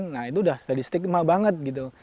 nah itu sudah statistik yang mahal banyak gitu